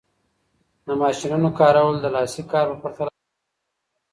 د ماشینونو کارول د لاسي کار په پرتله تولید زیاتوي.